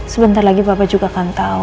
sebentar lagi bapak juga akan tahu